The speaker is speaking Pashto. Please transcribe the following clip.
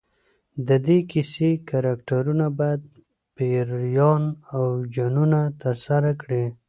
د دې کیسې کرکټرونه باید پیریان او جنونه ترسره کړي.